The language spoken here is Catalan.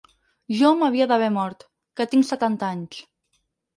Jo m’havia d’haver mort, que tinc setanta anys.